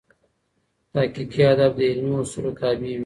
تحقیقي ادب د علمي اصولو تابع وي.